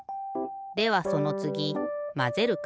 ではそのつぎまぜるか？